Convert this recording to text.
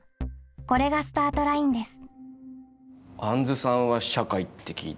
これがスタートラインです。